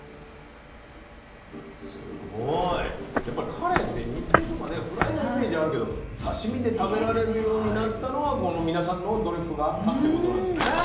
やっぱりカレイって煮つけとかねフライのイメージあるけど刺身で食べられるようになったのはこの皆さんの努力があったってことなんですね。